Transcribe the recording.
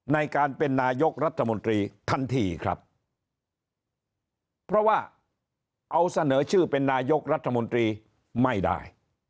ในการเป็นนายกรัฐมนตรีทันทีครับเพราะว่าเอาเสนอชื่อเป็นนายกรัฐมนตรีไม่ได้